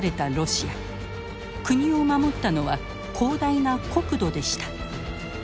国を守ったのは広大な国土でした。